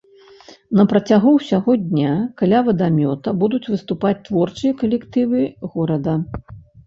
На працягу ўсяго дня каля вадамёта будуць выступаць творчыя калектывы горада.